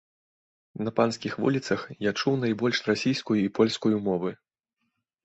На панскіх вуліцах я чуў найбольш расійскую і польскую мовы.